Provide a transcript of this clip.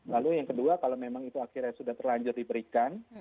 lalu yang kedua kalau memang itu akhirnya sudah terlanjur diberikan